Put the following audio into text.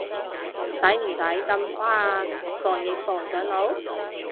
使唔使咁誇啊，防疫防上腦？